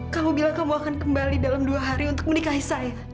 kamu bilang kamu akan kembali dalam dua hari untuk menikahi saya